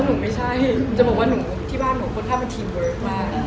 หนูไม่ใช่จะบอกว่าที่บ้านหนูค่อนข้างเป็นทีมเยอะมาก